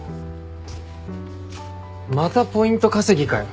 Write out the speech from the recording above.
またポイント稼ぎかよ。